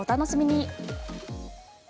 お楽しみに。